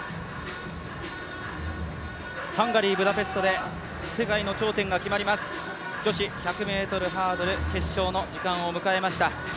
ハンガリー・ブダペストで世界の頂点が決まります女子１００ｍハードル決勝の時間を迎えました。